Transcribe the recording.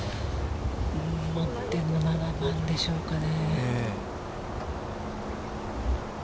持ってるのは７番でしょうかね。